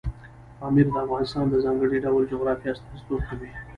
پامیر د افغانستان د ځانګړي ډول جغرافیې استازیتوب کوي.